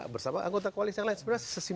bersama anggota koalisi yang lain sebenarnya